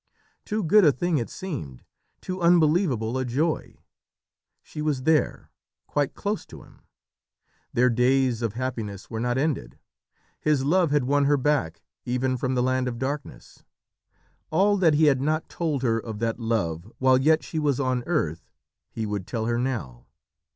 Too good a thing it seemed too unbelievable a joy. She was there quite close to him. Their days of happiness were not ended. His love had won her back, even from the land of darkness. All that he had not told her of that love while yet she was on earth he would tell her now.